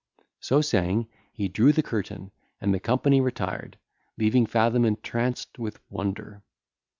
So saying, he drew the curtain, and the company retired, leaving Fathom entranced with wonder.